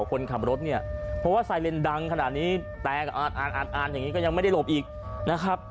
คนขับรถเนี่ยเพราะว่าไซเลนดังขนาดนี้แตกอ่านอย่างนี้ก็ยังไม่ได้หลบอีกนะครับ